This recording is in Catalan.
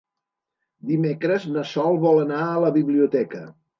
Dimecres na Sol vol anar a la biblioteca.